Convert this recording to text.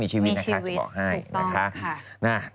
มีชีวิตนะคะจะบอกให้